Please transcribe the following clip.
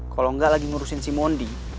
kalau enggak lagi ngurusin si mondi